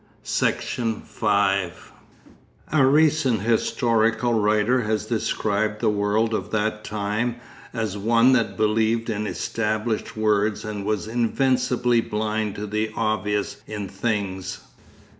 Section 5 A recent historical writer has described the world of that time as one that 'believed in established words and was invincibly blind to the obvious in things.